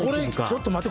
ちょっと待って。